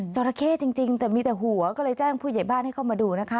จราเข้จริงแต่มีแต่หัวก็เลยแจ้งผู้ใหญ่บ้านให้เข้ามาดูนะคะ